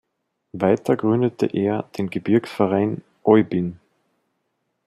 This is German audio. Weiter gründete er den Gebirgsverein Oybin.